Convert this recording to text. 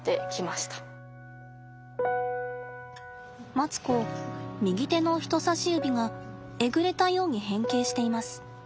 マツコ右手の人さし指がえぐれたように変形しています。